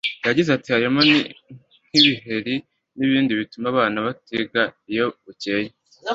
yagize ati “Harimo nk’ibiheri n’ibindi bituma abana batiga iyo bukeye”